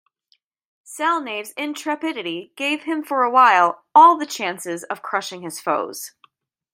Salnave's intrepidity gave him for a while all the chances of crushing his foes.